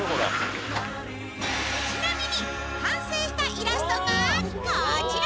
ちなみに完成したイラストがこちら！